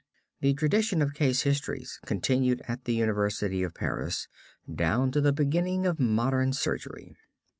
The tradition of case histories continued at the University of Paris down to the beginning of modern surgery.